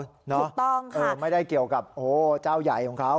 ถูกต้องค่ะไม่ได้เกี่ยวกับเจ้าใหญ่ของเขา